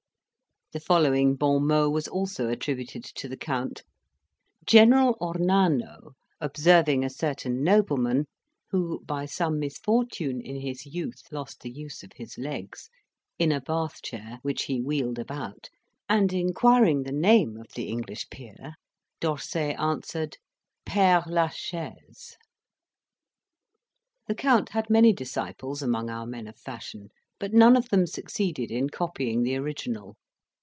The following bon mot was also attributed to the Count: General Ornano, observing a certain nobleman who, by some misfortune in his youth, lost the use of his legs in a Bath chair, which he wheeled about, and inquiring the name of the English peer, D'Orsay answered, "Pere la Chaise." The Count had many disciples among our men of fashion, but none of them succeeded in copying the original.